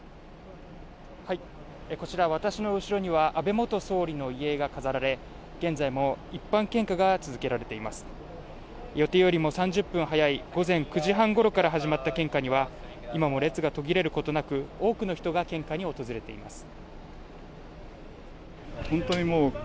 こちら私の後ろには安倍元総理の遺影が飾られ現在も一般献花が続けられています予定よりも３０分早い午前９時半ごろから始まった献花には今も列が途切れることなく多くの人が献花に訪れています